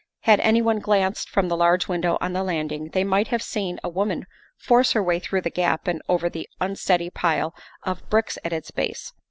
Had anyone glanced from the large window on the landing, they might have seen a woman force her way through the gap and over the unsteady pile of bricks at its base.